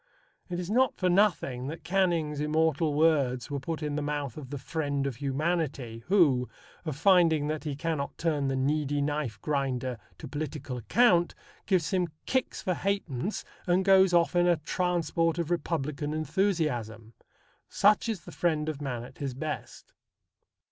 It is not for nothing that Canning's immortal words were put in the mouth of the Friend of Humanity, who, finding that he cannot turn the Needy Knife Grinder to political account, give him kicks for ha'pence, and goes off in "a transport of Republican enthusiasm." Such is the Friend of Man at his best.